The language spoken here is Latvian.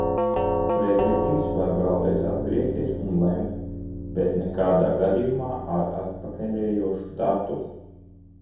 Prezidijs var vēlreiz atgriezties un lemt, bet nekādā gadījumā ar atpakaļejošu datumu.